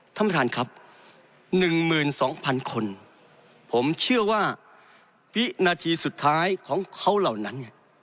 ท่านประธานครับ๑๒๐๐๐คนผมเชื่อว่าวินาทีสุดท้ายของเขาเหล่านั้น